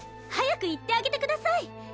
早く行ってあげてください！